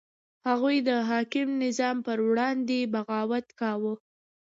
هغوی د حاکم نظام په وړاندې بغاوت کاوه.